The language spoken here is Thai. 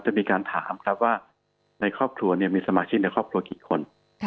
จะมีการถามครับว่าในครอบครัวมีสมาชิกในครอบครัวกี่คน